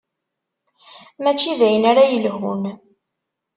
Mačči d ayen ara yelhun.